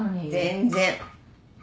全然。